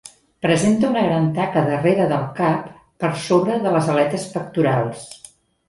Presenta una gran taca darrere del cap per sobre de les aletes pectorals.